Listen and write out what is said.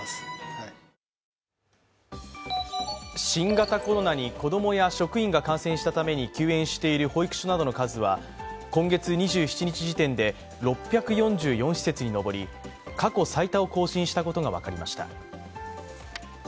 新型コロナに子供や職員が感染したために休園している保育所などの数は今月２７日時点で６４４施設に上り過去最多を更新したことが分かりました。